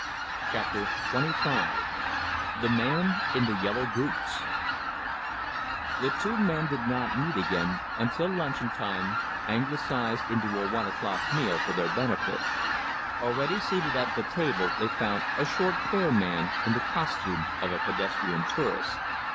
CHAPTER XXV THE MAN IN THE YELLOW BOOTS The two men did not meet again until luncheon time, Anglicized into a one o'clock meal for their benefit. Already seated at the table they found a short fair man, in the costume of a pedestrian tourist.